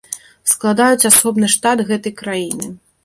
Складаюць асобны штат гэтай краіны.